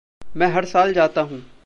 मैं हर साल जाता हूँ।